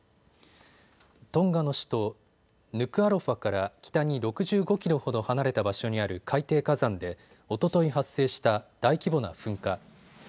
トンガの首都ヌクアロファから北に６５キロほど離れた場所にある海底火山でおととい発生した大規模な噴火。